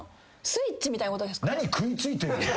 スイッチみたいなことですか？